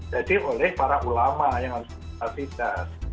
jadi oleh para ulama yang harus berhasil